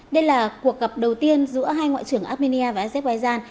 đây là cuộc gặp đầu tiên giữa hai ngoại trưởng armenia và azerbaijan